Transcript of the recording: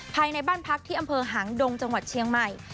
ภายในบ้านพักที่อำเภอหางดงจังหวัดเชียงใหม่